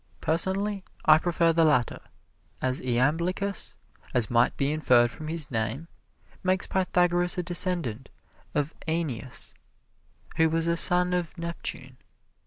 Personally, I prefer the latter, as Iamblichus, as might be inferred from his name, makes Pythagoras a descendant of Æneas, who was a son of Neptune.